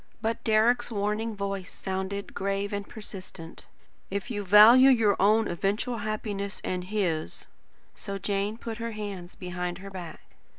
But Deryck's warning voice sounded, grave and persistent: "If you value your own eventual happiness and his " So Jane put her hands behind her back.